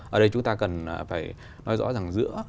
ở đây chúng ta cần phải nói rõ rằng giữa